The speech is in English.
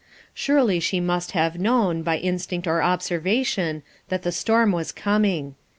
Surely she must have known, by instinct or observation, that the storm was coming."